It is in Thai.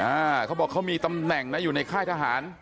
เขาบอกเขามีตำแหน่งนะอยู่ในค่ายทหาร